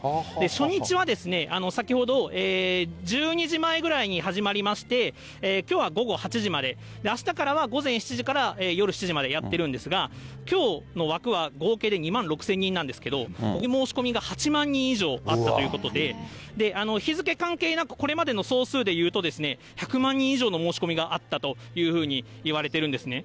初日は先ほど１２時前ぐらいに始まりまして、きょうは午後８時まで、あしたからは午前７時から夜７時までやってるんですが、きょうの枠は合計で２万６０００人なんですけれども、ここに申し込みが８万人以上あったということで、日付関係なく、これまでの総数でいうと、１００万人以上の申し込みがあったというふうに言われてるんですね。